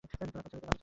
আপনার ছেলের জন্য?